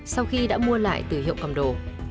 sau khi đã mua lại từ hiệu cầm đồ